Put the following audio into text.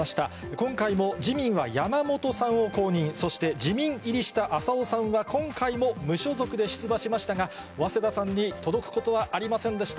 今回も自民は山本さんを公認、そして、自民入りした浅尾さんは今回も無所属で出馬しましたが、早稲田さんに届くことはありませんでした。